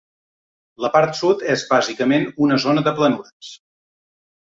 La part sud és bàsicament una zona de planures.